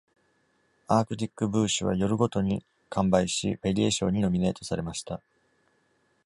「アークティック・ブーシュ」は夜ごとに完売し、ペリエ賞にノミネートされました。